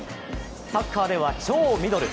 サッカーでは超ミドル。